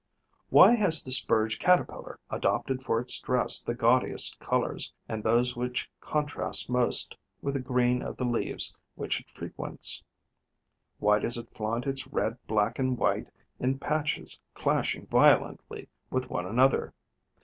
Why has the Spurge caterpillar adopted for its dress the gaudiest colours and those which contrast most with the green of the leaves which it frequents? Why does it flaunt its red, black and white in patches clashing violently with one another?